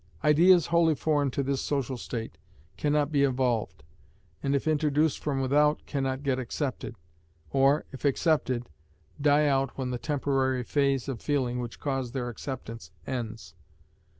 Ideas wholly foreign to this social state cannot be evolved, and if introduced from without, cannot get accepted or, if accepted, die out when the temporary phase of feeling which caused their acceptance ends.